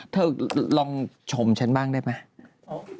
ลองชมฉันบ้างได้ไหม